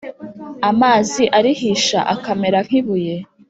Amazi arihisha akamera nk ibuye